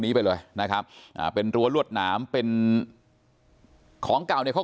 นี้ไปเลยนะครับเป็นตัวรวดหนามเป็นของเก่าไหนเขา